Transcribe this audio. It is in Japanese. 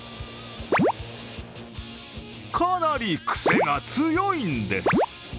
かなり、くせが強いんです。